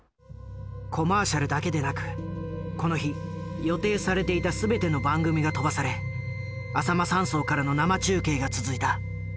コマーシャルだけでなくこの日予定されていた全ての番組が飛ばされあさま山荘からの生中継が続いた。